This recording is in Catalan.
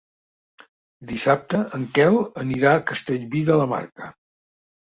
Dissabte en Quel anirà a Castellví de la Marca.